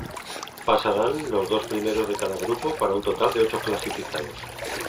Pasarán los dos primeros de cada grupo, para un total de ocho clasificados.